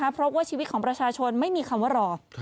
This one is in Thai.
เพราะว่าชีวิตของประชาชนไม่มีคำว่ารอ